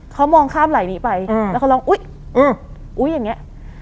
เขามองข้ามไหล่นี้ไปแล้วเขาร้องอุ๊ยอุ๊ยอย่างเงี้ย